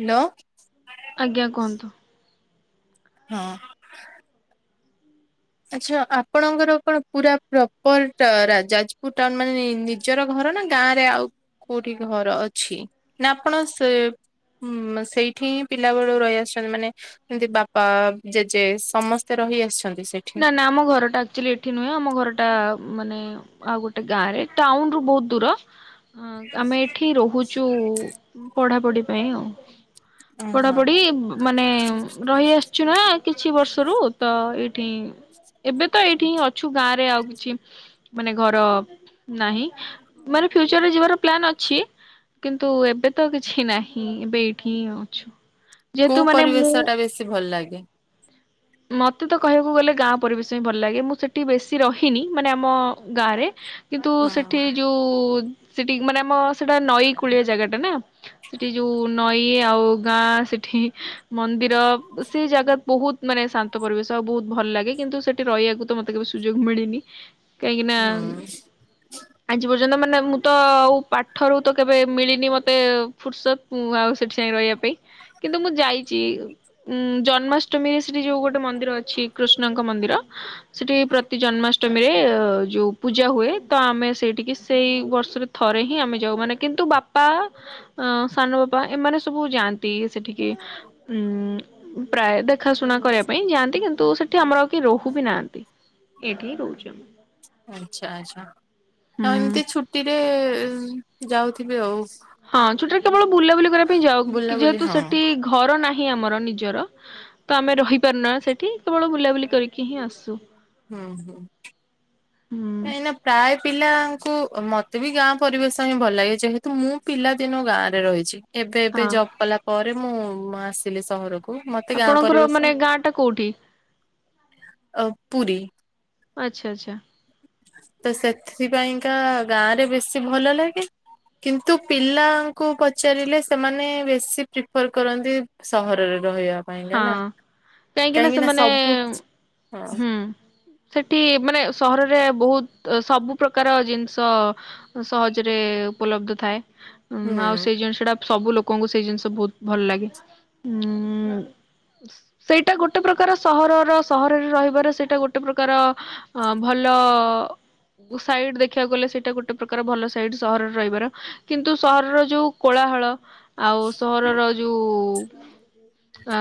Hello ଆଜ୍ଞା କୁହନ୍ତୁ। ହଁ ଆଛା ଆପଣଙ୍କର କଣ ପୁରା ପ୍ରପର ଯାଜପୁର ଟାଉନ ମାନେ ନିଜର ଘର। ଘର ନା ଗାଁ ରେ ଆଉ କୋଉଠି ଘର- ଅଛି ନା ଆପଣ ସେ ହଁ ସେଇଠି ହିଁ ପିଲା ବେଳୁ ରହିଆସିଛନ୍ତି ମାନେ ଏମତି ବାପା ଜେଜେ ସମସ୍ତେ ର ରହି ଆସିଛନ୍ତି। ସେଠି ନା ନା ଆମ ଘରଟା ଆକ୍ଚୁଆଲି ଏଠି ନୁହେଁ ଆମ ଘରଟା ଉଁ ମାନେ ଆଉ ଗୋଟେ ଗାଁ ରେ ଟାଉନ୍ ରୁ ବହୁତ ଦୂର। ହଁ ଆମେ ଏଠି ରହୁଛୁ ପଢାପଢି ପାଇଁ ଆଉ। ଓହୋ ପଢାପଢି ମାନେ ରହି ଆସିଛୁ ନା କିଛି ବର୍ଷରୁ ତ ଏଇ। ଏଠି ଏବେ ତ ଏଇଠିି ଅଛୁ ଗାଁରେ ଆଉ କିଛି ମାନେ ଘର ନାହିଁ ମାନେ ଫ୍ୟୁଚରରେ ଯିବାର ପ୍ଲାନ୍ ଅଛି। କିନ୍ତୁ ଏବେ ତ କିଛି ନାହିଁ ଏବେ ଏଇଠି ହିଁ ଅଛୁ। ଯେହେତୁ କୋଉ ମାନେ ମୁଁ ପରିବେଶ ଟା ବେଶୀ ଭଲ ଲାଗେ? ମତେ ତ କହିବାକୁ ଗଲେ ଗାଁ ପରିବେଶ ହ ଭଲ ଲାଗେ ମୁଁ ସେଠି ବେଶୀ ରହିନି ମାନେ ଆମ ଗାଁ ରେ। କିନ୍ତୁ ହୁଁ ସେଠି ଯୋଉ ସେଠି ମାନେ ଆମ ସେଟା ନଈ କୂଳିଆ ଜାଗା ଟା ନା ସେଠି ଯୋଉ ନଈ ଆଉ ଗାଁ ସେଠି ମନ୍ଦିର। ମାନେ ଶାନ୍ତ ପରିବେଶ ଆଉ ବହୁତ ଭଲ ଲାଗେ କିନ୍ତୁ ସେଠି ରହିବାକୁ ତ ମତେ କେବେ ସୁଯୋଗ ମିଳିନି। କାହିଁକି ନା ହୁଁ ଆଜି ପର୍ଯ୍ୟନ୍ତ ମାନେ ମୁଁ ତ [inaudible] ଆଉ ପାଠରୁ ତ କେବେ ମିଳିନି ମତେ ଫୁର୍ସତ୍ ଆଉ ସେଠି ସାଙ୍ଗେ ରହିବା ପାଇଁ କିନ୍ତୁ ମୁଁ ଯା ଚି ଉଁ ଜନ୍ମାଷ୍ଟମୀ। ସେଠି ଯୋଉ ଗୋଟେ ମନ୍ଦିର ଅଛି କୃଷ୍ଣଙ୍କ ମନ୍ଦିର ସେଠି ପ୍ରତି ଜନ୍ମାଷ୍ଟମୀରେ ଯୋଉ ପୂଜା ହୁଏ ତ ଆମେ ସେଇଠିକି ସେଇ ବର୍ଷରେ ଥରେ ହିଁ ଆମେ ଯାଉ ମାନେ କିନ୍ତୁ ବାପା ସାନ ବାପା ଏମାନେ ସବୁ ଯାଆନ୍ତି ସେଠିକି ଉ ପ୍ରାୟ ଦେଖା କରିବା ପାଇଁ ଯାଆନ୍ତି। କିନ୍ତୁ ସେଠି ଆମର ଆଉ କି ରହୁ ବି ନାହାନ୍ତି ଏଠି ହିଁ ରହୁଛି। ଆଛା ଆ ଛା ଆଉ ଏମିତି ଛୁଟିରେ ଯାଉଥିବେ ଆଉ। ହଁ ଛୁଟି ରେ କେବଳ ବୁଲାବୁଲି କରିବା ପାଇଁ ଯାଉ। କି ବୁଲାବୁଲି ଯେହେତୁ ହଁ ସେଠି ଘର ନାହିଁ ହିଁ ଆମର ନିଜର ତ ଆମେ ରହିପାରୁନା ସେଠି ହୁଁ ହୁଁ। ଏଇନା ପ୍ରାୟ ପିଲା ମତେ ବି ଗାଁ ପରିବେଶ ହିଁ ଭଲ ଲାଗେ ଯେହେତୁ ମୁଁ ପିଲା ଦିନୁ ଗାଁରେ ରହିଛି। ଏବେ ହଁ ମତେ ଗାଁ ଆପଣଙ୍କର ମାନେ ପରିବେଶ ଗାଁ ଟା କୋଉଠି ଆଉ ପୁରୀ। ଆଛା ଆଛା। ତ ସେଥିପାଇଁକା ଗାଁ ରେ ବେଶୀ ଭଲ ଲାଗେ କିନ୍ତୁ ପିଲାଙ୍କୁ ପଚାରିଲେ ସେମାନେ ବେଶୀ ପ୍ରିଫର କରନ୍ତି ସହରରେ। ରହିବା ପାଇଁକା ନା ହଁ। କାହିଁକି ନା ସବୁ ହୁଁ। ସେଠି ଉପଲବ୍ଧ ଥାଏ। ଉଁ ହୁଁ ଆଉ ସେଇ ଜିନିଷ ଟା ସବୁ ଲୋକଙ୍କୁ ସେଇ ଜିନିଷ ବହୁତ ଭଲ ଲାଗେ ଉଁ ସେଇଟା ଗୋଟେ ପ୍ରକାର ସହରର ସହରରେ ରହିବାରେ ସେଇଟା ଗୋଟେ ପ୍ରକାର ଅ ଭଲ ସାଇଡ ଦେଖିବାକୁ ଗଲେ ସେଇଟା ଗୋଟେ ପ୍ରକାର ଭଲ ସାଇଡ ସହରରେ ରହିବାର କିନ୍ତୁ ସହରର ଯୋଉ କୋଳା ଳ ଆଉ ସହରର ଯୋଉ ଆ।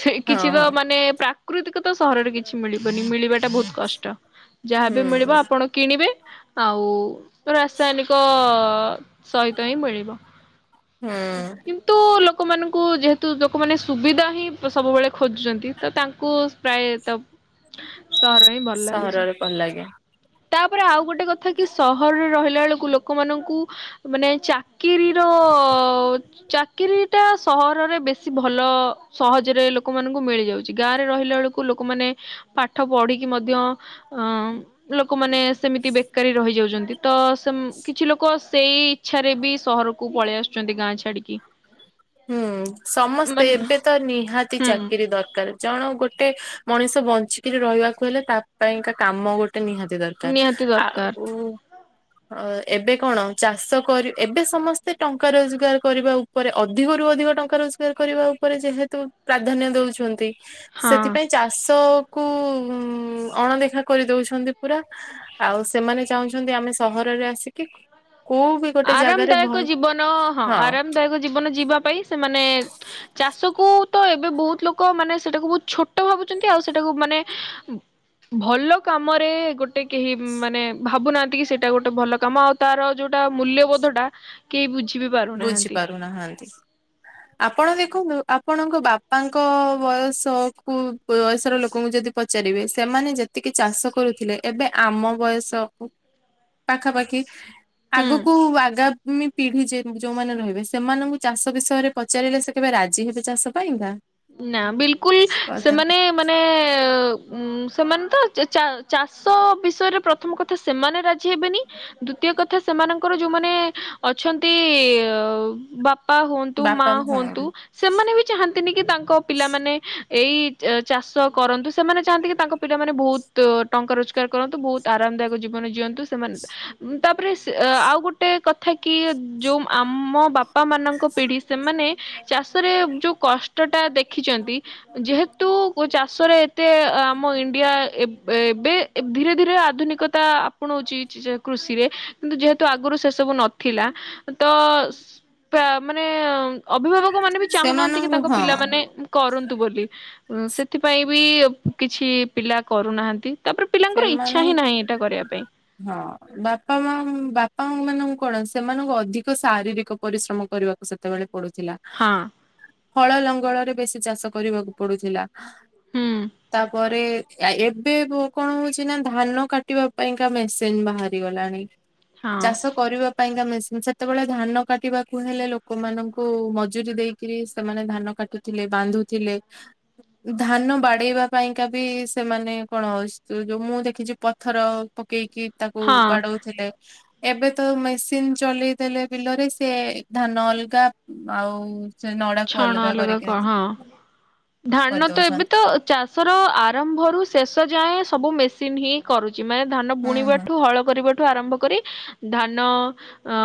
ସେ ହଁ କିଛି ତ ହଁ ମାନେ ପ୍ରାକୃତିକ ତ ସହରରେ କିଛି ମିଳିବନି ମିଳିବ। ବହୁତ କଷ୍ଟ ଯାହାବ ମିଳିବ ହୁଁ ଆପଣ କିଣିବେ ଆଉ ରାସାୟନିକ ସହିତ ହିଁ ମିଳିବ ହୁଁ କିନ୍ତୁ ଲୋ ଲୋକମାନଙ୍କୁ ଯେହେତୁ ଲୋକମାନେ ସୁବିଧା ହିଁ ସବୁବେଳେ ଖୋଜୁଛନ୍ତି ତ ତାଙ୍କୁ ପ୍ରାୟ ତ [inaudible] ସହରରେ ହିଁ ଭଲ ଲାଗୁଚି। ସହରରେ ଭଲ ଲାଗେ। ତାପରେ ଆଉ ଗୋଟେ କଥା କି ସହରରେ ରହିଲା ବେଳକୁ ଲୋକମାନଙ୍କୁ ମାନେ ଚାକିରି ର ଚାକିରୀଟା ସହରରେ ବେଶୀ ଭଲ ସହଜରେ ଲୋକମାନଙ୍କୁ ମିଳିଯାଉଛି ଗାଁରେ ର ମିଳିଲା ବେଳକୁ ଲୋକମାନେ ପାଠ ପଢିକି ମଧ୍ୟ ଅ ଲୋକମାନେ ସେମିତି ବେକାରୀ ରହିଯାଉଛନ୍ତି। ତ ସେ କିଛି ଲୋକ ସେଇ ଇଛାରେ ବି ସହରକୁ ପଳେଇ ଆସୁଛନ୍ତି ଗାଁ ଛାଡିକି। ହୁଁ ସମସ୍ତେ ମାନେ ଏବେ ତ ନିହାତି ହୁଁ ଚାକିରି ଦରକାର ଜଣ ଗୋଟେ ମଣିଷ ବଞ୍ଚିକିରି ରହିବାକୁ ହେଲେ ତା ପାଇଁକା କାମ ଗୋଟେ ଟା ନିହାତି ଦରକାର ନିହାତି ଆ ଦରକାର ଉ। ଅ ଏବେ କଣ ଚାଷ କରି ଏବେ ସମସ୍ତେ ଟଙ୍କା ରୋଜଗାର କରିବା ଉପରେ ଅ ଅଧିକରୁ ଅଧିକ ଟଙ୍କା ରୋଜଗାର କରିବା ଉପରେ ଯେହେତୁ ପ୍ରାଧାନ୍ୟ ଦଉଛନ୍ତି। ହଁ। ସେଥିପାଇଁ ଚାଷକୁ ଉଁ ଉଁ ଅଣଦେଖା କରିଦଉଛନ୍ତି ପୁରା ଆଉ ସେମାନେ ଚାହୁଁଛନ୍ତି ଆମେ ସହରରେ ଆସିକି କୋଉ ବି ଗୋଟେ ଜାଗାରେ ଆରାମଦାୟକ ଭଲ ଜୀବନ ହଁ ଆରାମଦାୟକ ଜୀବନ ଜି ଯିବା ପାଇଁ ସେମାନେ ଚାଷକୁ ତ ଏବେ ବହୁତ ଲୋକ ମାନେ ସେଇଟାକୁ ବହୁତ ଛୋଟ ଭାବୁଛନ୍ତି ଆଉ ସେଟାକୁ ମାନେ ଭଲ କାମରେ ଗୋ ଗୋଟେ କେହି ମାନେ ଭାବୁନାହାନ୍ତି କି ସେଇଟା ଗୋଟେ ଭଲ କାମ ଆଉ ତାର ଯୋଉ ଟି ଟା ମୂଲ୍ୟବୋଧଟା କେହି ବୁ ବୁଝି ପାରୁନାହାନ୍ତି ଆପଣ ଦେ ଦେଖନ୍ତୁ ଆପଣଙ୍କ ବାପାଙ୍କ ବୟସକୁ ବୟସର ଲୋକଙ୍କୁ ଯଦି ପଚାରିବେ ସେ ଆମେ ମାନେ ଯେତିକି ଚାଷ କରୁଥିଲେ ଏବେ ଆମ ବୟସକୁ ପାଖାପାଖି ହୁଁ। ଆଗୁକୁ ଆଗା ମି ପିଢି ଯେତି ଯୋଉମାନେ ରହିବେ ସେମାନଙ୍କୁ ଚାଷ ବିଷୟରେ ପଚାରିଲେ ସେ କେବେ ରାଜି ହେବେ ଚାଷ ପାଇଁକା? ନା ବିଲକୁଲ କଥା ସେମାନେ ମାନେ ଉ ସେମାନେ ତ ଚା ଚାଷ ବିଷୟରେ ପ୍ରଥମ କଥା ସେମାନେ ରାଜି ହେବେନି ଦୁତୀୟ କଥା ସ ସେମାନଙ୍କର ଯୋଉମାନେ ଅଛନ୍ତି ବାପ ପା ହୁଅନ୍ତୁ ମା ବାପା ହଁ ହୁଅନ୍ତୁ ସେମାନେ ବି ଚାହାନ୍ତିନି କି ତାଙ୍କ ପିଲାମାନେ ଏଇ ଚା ଚାଷ କରନ୍ତୁ ସେମାନେ ଚାହାନ୍ତିକି ତାଙ୍କ ପିଲାମାନେ ବହୁତ ଟଙ୍କା ରୋଜଗାର କରନ୍ତୁ ବହୁତ ଆରାମ ଆରାମଦାୟକ ଜୀବନ ଜିଅନ୍ତୁ ସେମାନେ ତାପରେ ସେ ଆଉ ଗୋଟେ କଥା କି ଯୋଉ ଆମ ବାପା ମାନଙ୍କ ପିଢି ସେମାନେ ଚାଷରେ ଯୋଉ କଷ୍ଟ ଟା ଦେଖ ଦେଖିଛନ୍ତି ଯେହେତୁ କ ଚାଷରେ ଏତେ ଆମ ଇଣ୍ଡିଆ ଏ ଏବେ ଏ ଏବେ ଧୀରେ ଧୀରେ ଆଧୁନିକତା ଆପଣାଉଛି ଯେ କୃଷିରେ କିନ୍ତୁ ଯେହେତୁ ଆଗରୁ ସେ ସବୁ ନଥିଲା। ତ ପେ ମାନେ ଅଭିଭାବକ ମାନେ ବି ଚାହୁଁନାହାନ୍ତି କି ସେମାନଙ୍କୁ ତାଙ୍କ ହଁ ପିଲାମାନେ କରନ୍ତୁ ବୋଲି ଏ ସେଥିପାଇଁ ବି କିଛି ପିଲା କରୁନାହାନ୍ତି। ତାପରେ ପିଲାଙ୍କର ଇଚ୍ଛା ହିଁ ସେମାନଙ୍କ ନାହିଁ ଏଇଟା କରିବା ପାଇଁ ହଁ ବାପା ମାମ୍ ବା ପଙ୍କ ମାନଙ୍କୁ କଣ ସେମାନଙ୍କୁ ଅଧିକ ଶାରୀରିକ ପରିଶ୍ରମ କରିବାକୁ ସେତେବେଳେ ପଡୁଥିଲା ହଁ। ହଳ ଲଙ୍ଗଳରେ ବେଶୀ ଚାଷ କରିବାକୁ ପଡୁଥିଲା। ହୁଁ ତାପରେ ଏ ଇ ଏବେ ଗୋ କଣ ହଉଛି ନା ଧାନ କାଟିବା ପାଇଁକା ମେସିନ ବାହାରି ଗଲାଣି। ହଁ ଚାଷ କରିବା ପାଇଁକା ମେ ସେ ସେତେବେଳେ ଧାନ କାଟିବାକୁ ହେଲେ ଲୋକମାନଙ୍କୁ ମଜୁରୀ ଦେଇକିରି ସେମାନେ ଧାନ କାଟୁଥିଲେ। ବାନ୍ଧୁଥିଲେ ଧାନ ବାଡେଇବା ପାଇଁକା ବି ସେମାନେ କଣ ସେ ତ ଯୋଉ ମୁଁ ଦେଖିଛି ପଥର ପକେଇକି ତାକୁ ହଁ ବାଡଉଥିଲେ। ଏବେ ତ ମେସିନ ଚଲେଇ ଦେଲେ ବିଲରେ ସେ ଧାନ ଅଲଗା ଆଉ ସେ ନଡାକୁ ଛଣ ଅଲଗା କରିକି କ ହଁ। ଧାନ ତ ଏବେ କରିଦଉଛନ୍ତି। ତ ଚାଷର ଆରମ୍ଭରୁ ଶେଷ ଯାଏଁ ସବୁ ମେସ ସିନ ହିଁ କରୁଛି ମାନେ ଧାନ ହୁଁ ହୁଁ ବୁଣିବାଠୁ ହଳ କରିବା ଠୁ ଆରମ୍ଭ କରି ଧାନ ଅ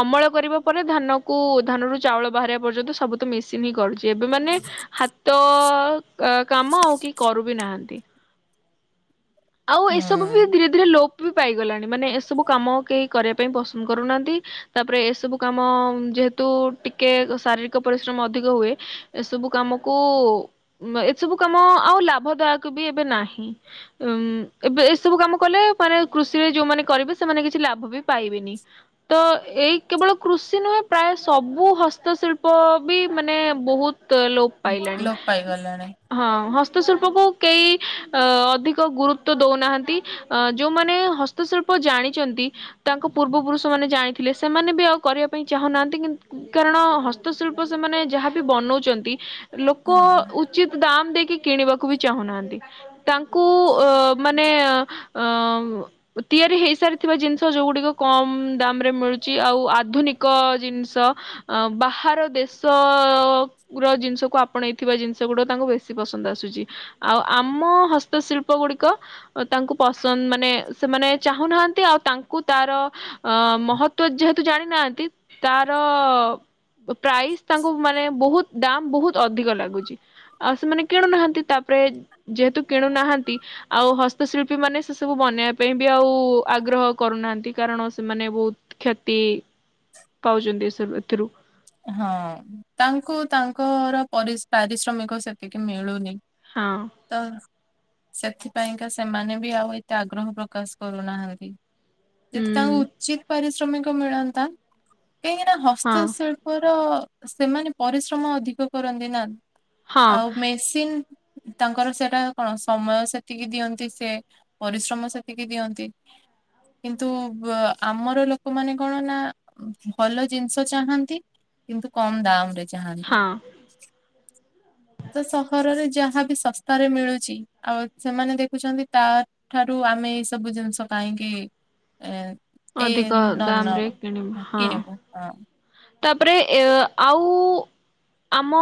ଅମଳ କରିବା ପରେ ଧାନକୁ ଧାନରୁ ଚାଉଳ ବାହାରିବା ପର୍ଯ୍ୟନ୍ତ ସବୁ ତ ମେସିନ୍ ହିଁ କରୁଛି ଏବେ ମାନେ ହାତ ଅ ଅ କାମ ଆଉ କି କରୁ ବି ନାହାନ୍ତି। ଆଉ ଏସବୁ ବି ହୁଁ ଧୀରେ ଧୀରେ ଲୋପ ବି ପାଇଗଲାଣି ମାନେ ଏସବୁ କାମ କେହି କରିବା ପାଇଁ ପସନ୍ଦ କରୁନାହାନ୍ତି ତାପରେ ଏସବୁ କାମ ଯେହେତୁ ଟିକେ ଶାରୀରିକ ପରିଶ୍ରମ ଅଧିକ ହୁଏ ଏସବୁ କାମ କୁ ଏସବୁ କାମ ଆଉ ଲାଭଦାୟକ ବି ଏବେ ନାହିଁ। ଉଁ ଏବେ ଏସବୁ କାମ କଲେ ମାନେ କୃଷିରେ ଯୋଉମାନେ କରିବେ ସେମାନେ କିଛି ଲାଭ ବି ପାଇବେନି। ତ ଏଇ କେବଳ କୃଷି ନୁହେଁ ପ୍ରାୟ ସବୁ ହସ୍ତଶିଳ୍ପ ବି ମାନେ ବହୁତ ଲୋପ ପାଇଲାଣି ଲୋପ ପାଇଗଲାଣି। ହଁ ହସ୍ତଶିଳ୍ପ କୁ କେହି ଅ ଅଧିକ କ ଗୁରୁତ୍ଵ ଦଉନାହାନ୍ତି ଅ ଯୋଉମାନେ ହସ୍ତଶିଳ୍ପ ଜାଣିଛନ୍ତି ତାଙ୍କ ପୂର୍ବ ପୁରୁଷ ମାନ ନେ ଜାଣିଥିଲେ ସେମାନେ ବି ଆଉ କରିବା ପାଇଁ ଚାହୁଁନାହାନ୍ତି କିନ୍ତୁ କାରଣ ହସ୍ତଶିଳ୍ପ ସେମାନେ ଯାହାବି ବନଉଛନ୍ତି। ଲୋକ ହଁ ଉଚିତ ଦାମ୍ ଦେଇକି କିଣିବାକୁ ବି ଚାହୁଁନାହାନ୍ତି ତାଙ୍କୁ ଅ ମାନେ ନେ ତିଆରି ହେଇସାରିଥିବା ଜିନିଷ ଯୋଉଗୁଡିକ କମ ଦାମ ରେ ମିଳୁଛି। ଆଉ ଆଧୁନିକ ଜିନିଷ ବାହାର ଦେଶ ର ଜିନିଷକୁ ଆପଣେଇଥିବା ଜିନିଷ ଗୁଡା ତାଙ୍କୁ ବେଶୀ ପସନ୍ଦ ଆସୁଛି ଆଉ ଆମ ହସ୍ ଶିଳ୍ପ ଗୁଡିକ ତାଙ୍କୁ ପସନ୍ଦ ମାନେ ସେମାନେ ଚାହୁଁନାହାନ୍ତି ଆଉ ତାଙ୍କୁ ତାର ଅ ମହତ୍ଵ ଯେହେତୁ ଜାଣିନାହାନ୍ତି ତାର ପ୍ରାଇସ୍ ତାଙ୍କୁ ମାନେ ବହୁତ ଦାମ ବହୁତ ଅଧିକ ଲାଗୁଛି ଆଉ ସେମାନେ କିଣୁନାହାନ୍ତି ତା ତାପରେ ଯେହେତୁ କିଣୁନାହାନ୍ତି ଆଉ ହସ୍ତଶିଳ୍ପୀ ମାନେ ସେ ସବୁ ବନେଇବା ପାଇଁ ବି ଆଉ ଆଗ୍ରହ କରୁନାହାନ୍ତି କାର କାରଣ ସେମାନେ ବହୁତ କ୍ଷତି ପାଉଛନ୍ତି ଏସ ଏଥିରୁ। ହଁ ତାଙ୍କୁ ତାଙ୍କର ପରି ପାରିଶ୍ରମିକ ସେତିକି ମିଳୁନି। ହଁ ତ ସେଥିପାଇଁକା ସେମାନେ ବି ଆଉ ଏତେ ଆଗ୍ରହ ପ୍ରକାଶ କରୁନାହାନ୍ତି। ଯଦି ହୁଁ ତାଙ୍କୁ ଉଚିତ ପାରିଶ୍ରମିକ ମିଳନ୍ତା କାହିଁକିନା ହଁ ହସ୍ତଶିଳ୍ପ ତ ସେମାନେ ପରିଶ୍ରମ ଅଧିକ କରନ୍ତି ନା ହଁ ଆଉ ମେସିନ୍ ତାଙ୍କର ସେଟା କଣ ସମୟ ସେତିକି ଦିଅନ୍ତି ସେ ପରିଶ୍ରମ ସେତିକି ଦିଅନ୍ତି। କିନ୍ତୁ ଆମର ଲୋକମାନେ କଣ ନା ଭଲ ଜିନିଷ ଚାହାନ୍ତି। କିନ୍ତୁ କମ ଦାମରେ ଯାହାନ୍- ହଁ ତ ସହରରେ ଯାହାବି ଶସ୍ତାରେ ମିଳୁଛି ଆଉ ସେମାନେ ଦେଖୁଛନ୍ତି ତା ଠାରୁ ଆମେ ଏଇ ସବୁ ଜିନିଷ କାହିଁକି ଏ ଏଇ ଅଧିକ ନ ଦାମ ରେ ନ କିଣିବ କି ହଁ ନିବୁ? ତାପରେ ଏ ଆଉ ଆମ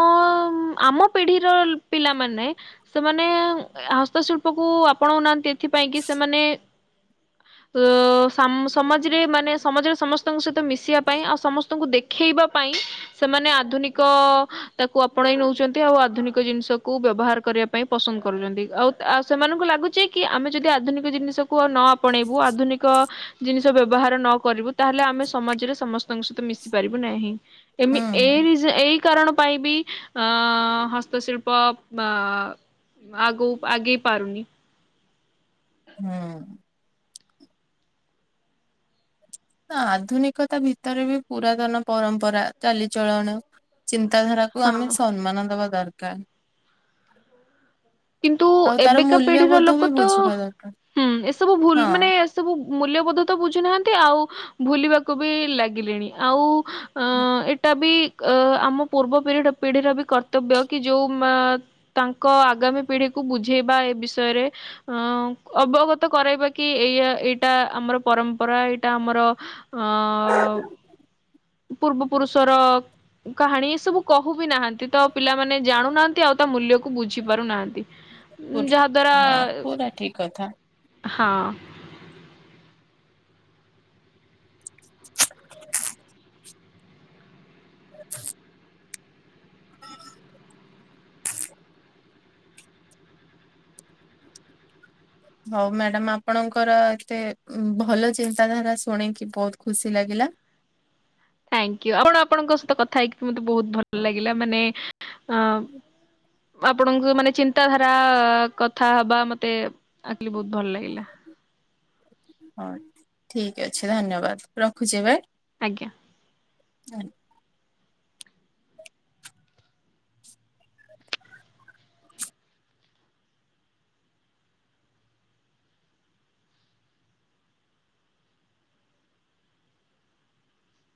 ଆମ ପିଢିର ପିଲାମାନେ ସେମାନେ ହସ୍ତଶିଳ୍ପ। କୁ ଆପଣାଉ ନାହାନ୍ତି ଏଥିପାଇଁ କି ସେମାନେ ଅ ସମାଜରେ ମାନେ ସମାଜରେ ସମସ୍ତଙ୍କ ସହିତ ମିଶିବା ପାଇଁ ଆଉ ସମସ୍ତ ଙ୍କୁ ଦେଖେଇବା ପାଇଁ ସେମାନେ ଆଧୁନିକ ତାକୁ ଆପଣେଇ ନଉଛନ୍ତି ଆଉ ଆଧୁନିକ ଜିନିଷ କୁ ବ୍ୟବହାର କରିବା ପାଇଁ ପସନ୍ଦ କରୁଛନ୍ତି ଆଉ ସେମାନଙ୍କୁ ଲାଗୁଛି କି ଆମେ ଯଦି ଆଧୁିକ ଜିନିଷ ନ ଆପଣେଇବୁ ଆଧୁନିକ ଜିନିଷ ବ୍ୟବହାର ନ କରିବୁ ତାହେଲେ ଆମେ ସମାଜରେ ସମସ୍ତଙ୍କ ମିଶି ପାରିବ ନାହିଁ ଏମି ହୁଁ ହୁଁ ଏରିଜ ଏଇ କାରଣ ପାଇଁ ବି ଅ ହସ୍ତଶିଳ୍ପ ଅ ଆଗୁ ଆଗେଇ ପାରୁନି। ହୁଁ। ଆଧୁନିକତା ଭିତରେ ବି ପୁରାତନ ପରମ୍ପରା ଚାଲିଚଳଣ ଚିନ ଚିତାଧାରାକୁ ଆମେ ହଁ। ସମ୍ମାନ ଦବା ଦରକାର। [inaudible] କିନ୍ତୁ ଆଉ ତାର ଏବେକା ପିଢିର ମୂଲ୍ୟବୋଧ ବି ଲୋକ ତ ବୁଝିବା ଦରକାର। ହୁଁ ଏସବୁ ଭୁଲ ମାନେ ହଁ ଏ ସବୁ ମୂଲ୍ୟବୋଧ ତ ବୁଝୁନାହାନ୍ତି। ନ୍ତି ଆଉ ଭୁଲିବାକୁ ବି ଲାଗିଲେଣି ଆଉ ଅ ଏଟା ବି ଅ ଆମ ପୂର୍ବ ପିଢ ପିଢିର ବି କର୍ତ୍ତବ୍ୟ କି ଯୋଉ ତାଙ୍କ ଆଗାମୀ ପିଢିକୁ ବୁଝେଇବା ଏ ବିଷୟରେ ଅବଗତ କରାଇବା କି ଏଇ ଏଇଟା ଆମ ଆମର ପରମ୍ପରା ଏଇଟା ଆମର ଅ ପୂର୍ବ ପୁରୁଷର କାହାଣୀ ଏ ସବୁ କହୁ ବିି ନାହାନ୍ତି ତ ପିଲାମାନେ ଜାଣୁନାହାନ୍ତି ଆଉ ତା ମୂଲ୍ୟ କୁ ବୁଝି ପାରୁନାହାନ୍ତି ପୁର ଯାହା ହଁ ଦ୍ୱାରା ପୁରା ଠିକ କଥା। ହଁ। [inaudible] [inaudible] ହଉ ମ୍ୟାଡାମ ଆପଣଙ୍କର ଏତେ ଭଲ ଚିନ୍ତାଧାରା ଶୁଣିକି ବହୁତ ଖୁସି ଲାଗିଲା। ଥ୍ୟାଙ୍କ ୟୁ ଆପଣ ଆପଣଙ୍କ ସହିତ କଥା ହେଇକି ବି ମତେ ବହୁତ ଭଲ ଲାଗିଲା ମାନେ ଅଁ ଆପଣଙ୍କୁ ମାନେ ଚିନ୍ତାଧାରା କଥା ହବା ମତେ ଆକଲି ବହୁତ ଭଲ ଲାଗିଲା। ହଉ ଠିକ ଅଛି ଧନ୍ୟବାଦ ରଖୁଛି ଏବେ। ଆଜ୍ଞା। ଆ।